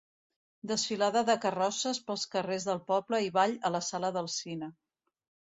Desfilada de carrosses pels carrers del poble i ball a la Sala del Cine.